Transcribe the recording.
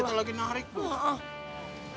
setiap kita lagi narik dok